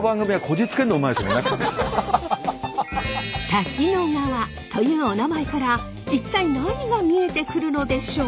滝野川というおなまえから一体何が見えてくるのでしょう。